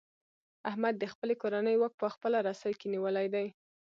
احمد د خپلې کورنۍ واک په خپله رسۍ کې نیولی دی.